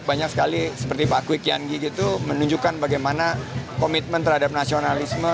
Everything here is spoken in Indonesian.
banyak sekali seperti pak kwi kian gigi gitu menunjukkan bagaimana komitmen terhadap nasionalisme